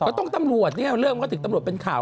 ก็ต้องตำรวจเนี่ยเริ่มก็ติดตำรวจเป็นข่าว